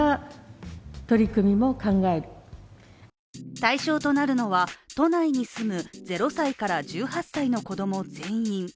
対象となるのは、都内に住む０歳から１８歳の子供全員。